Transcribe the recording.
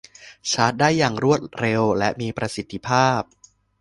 ชาร์จได้อย่างรวดเร็วและมีประสิทธิภาพ